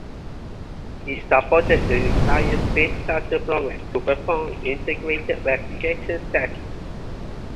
It supported the entire Space Shuttle program to perform integrated verification tests.